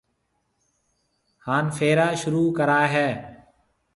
ھان ڦيرا شروع ڪرائيَ ھيََََ